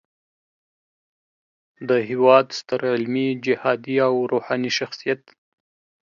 د هیواد ستر علمي، جهادي او روحاني شخصیت